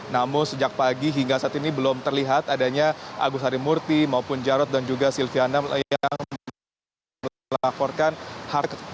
namun sejak pagi hingga saat ini belum terlihat adanya agus harimurti maupun jarod dan juga silviana yang melaporkan harkat